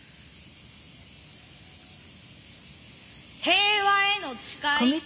平和への誓い。